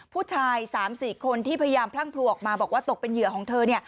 ผู้ชาย๓๔คนที่พยายามพลั่งพลัวออกมาบอกว่าตกเป็นเหยื่อของเธอ